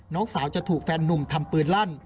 น้องสาวจะถูกแฟนนุ่มทำปืนลั่น